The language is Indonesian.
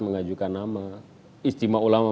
mengajukan nama istimewa ulama